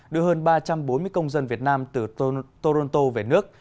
đưa hơn ba trăm bốn mươi công dân việt nam từ toronto về nước